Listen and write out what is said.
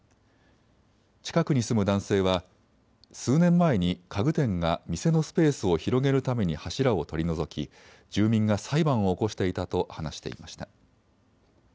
近くに住む男性は数年前に家具店が店のスペースを広げるために柱を取り除き住民が裁判を起こしていたと話していました。